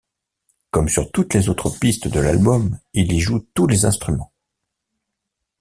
Comme sur toutes les autres pistes de l'album, il y joue tous les instruments.